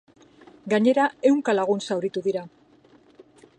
Gainera, ehunka lagun zauritu dira.